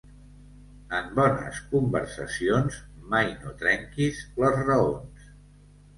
En bones conversacions, mai no trenquis les raons.